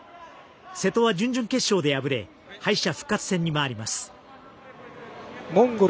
瀬戸は準々決勝で敗れ敗者復活戦に回ります。